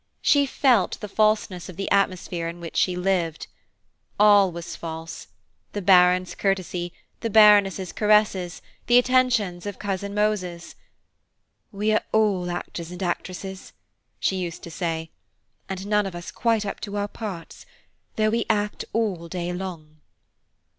She felt the falseness of the atmosphere in which she lived: all was false, the Baron's courtesy, the Baroness's caresses, the attentions of Cousin Moses. "We are all actors and actresses," she used to say, "and none of us quite up to our parts, though we act all day long."